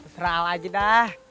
sera al aja dah